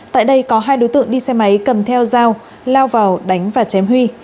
tại đây có hai đối tượng đi xe máy cầm theo dao lao vào đánh và chém huy